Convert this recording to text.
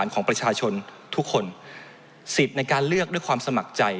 ของประชาชนทุกคนสิทธิ์ในการเลือกด้วยความสมัครใจ